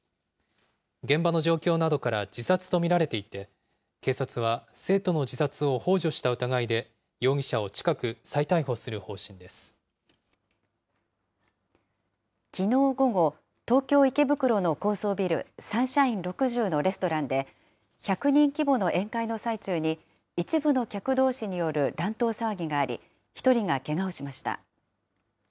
現場の状況などから自殺と見られていて、警察は生徒の自殺をほう助した疑いで容疑者を近く、きのう午後、東京・池袋の高層ビル、サンシャイン６０のレストランで、１００人規模の宴会の最中に一部の客どうしによる乱闘騒ぎがあり、１人がけがをしました。